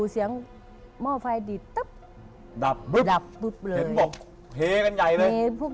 เอาอีกแล้วเฮ้ใกล้ไปลึบ